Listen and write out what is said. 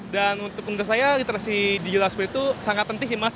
dan untuk menurut saya literasi digital seperti itu sangat penting sih mas